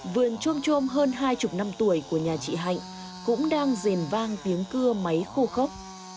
vườn trôm hơn hai mươi năm tuổi của nhà chị hạnh cũng đang rền vang tiếng cưa máy khô khốc